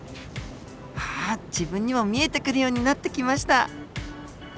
あ自分にも見えてくるようになってきました。